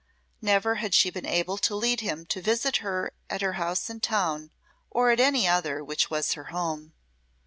Never had she been able to lead him to visit her at her house in town or at any other which was her home.